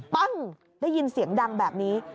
ปั้งได้ยินเสียงดังแบบนี้